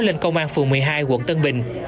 lên công an phường một mươi hai quận tân bình